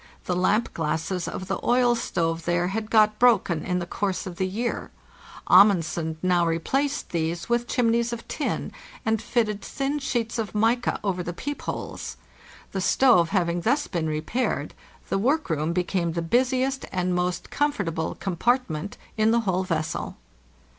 The lamp classes of the oil stove there had got broken in the course of the year. Amundsen now replaced these with chimneys of tin, and fitted thin sheets of mica over the peep holes. The stove having thus been repaired, the workroom became the busiest and most comfortable compartment in the whole vessel.